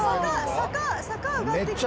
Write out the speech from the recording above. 坂上がってきた！